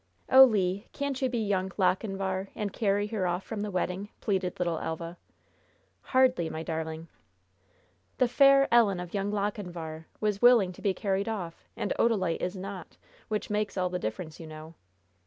"Oh, Le! can't you be Young Lochinvar and carry her off from the wedding?" pleaded little Elva. "Hardly, my darling! "'The fair Ellen of Young Lochinvar' was willing to be carried off, and Odalite is not, which makes all the difference, you know!"